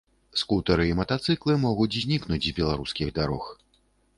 Скутэры і матацыклы могуць знікнуць з беларускіх дарог.